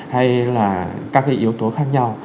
hay là các yếu tố khác nhau